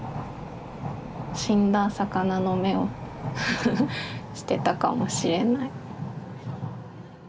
死んだ魚の目をしてたかもしれない。